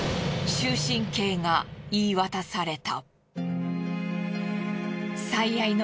終身刑が言い渡された。